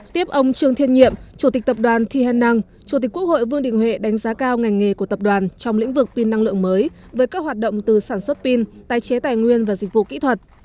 tiếp ông trương thiên nhiệm chủ tịch tập đoàn thi hèn năng chủ tịch quốc hội vương đình huệ đánh giá cao ngành nghề của tập đoàn trong lĩnh vực pin năng lượng mới với các hoạt động từ sản xuất pin tài chế tài nguyên và dịch vụ kỹ thuật